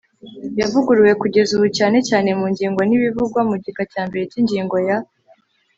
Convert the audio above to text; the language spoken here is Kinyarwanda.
yavuguruwe kugeza ubu cyane cyane mu ngingo n ibivugwa mu gika cya mbere cy ingingo ya